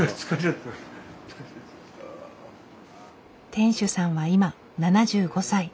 店主さんは今７５歳。